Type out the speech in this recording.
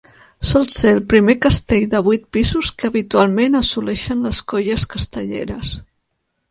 Sol ser el primer castell de vuit pisos que habitualment assoleixen les colles castelleres.